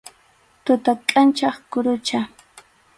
Tuta kʼanchaq kurucha.